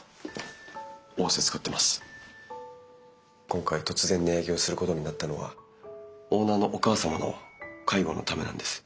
今回突然値上げをすることになったのはオーナーのお母様の介護のためなんです。